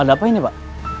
ada apa ini pak